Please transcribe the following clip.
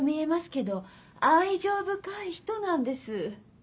けど愛情深い人なんです。